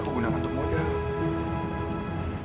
tapi aku gunakan untuk modal